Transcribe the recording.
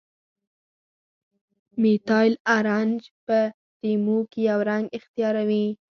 میتایل ارنج په لیمو کې یو رنګ اختیاروي.